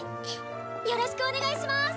よろしくお願いします！